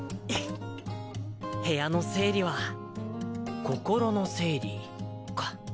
部屋の整理は心の整理か。